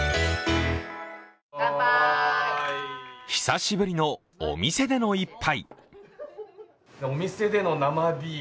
久しぶりのお店での一杯。